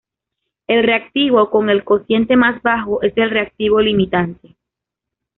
El reactivo con el cociente más bajo es el reactivo limitante.